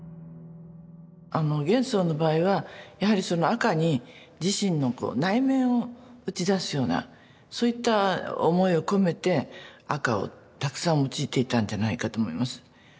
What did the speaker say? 元宋の場合はやはりその赤に自身の内面を打ち出すようなそういった思いを込めて赤をたくさん用いていたんじゃないかと思います。